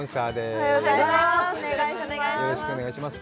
おはようございます。